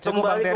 cukup bang terry